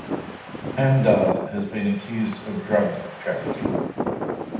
Hamdard has been accused of drug trafficking.